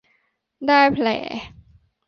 ได้แผล